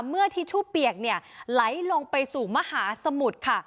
ทิชชู่เปียกไหลลงไปสู่มหาสมุทรค่ะ